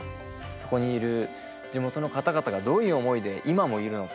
そこにいる地元の方々がどういう思いで今もいるのか。